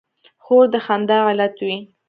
خور د خندا علت وي.